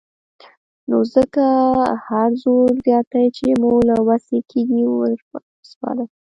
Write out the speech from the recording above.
نو ځکه هر زور زياتی چې مو له وسې کېږي وسپاره.